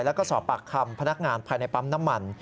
แล้วก็สอบปากคำพนักงานภายในปั๊มน้ำมัน